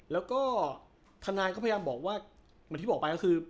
แล้วก็ทนายก็พยายามบอกว่าเหมือนที่บอกไปก็คือ